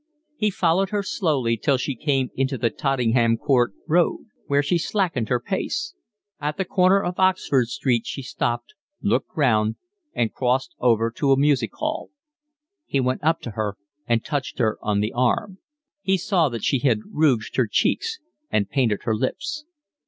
He followed her slowly till she came into the Tottenham Court Road, where she slackened her pace; at the corner of Oxford Street she stopped, looked round, and crossed over to a music hall. He went up to her and touched her on the arm. He saw that she had rouged her cheeks and painted her lips.